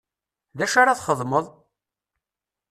D acu ara txedmeḍ?